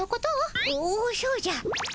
おおそうじゃ。